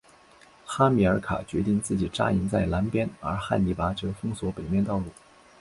哈米尔卡决定自己扎营在南边而汉尼拔则封锁北面道路。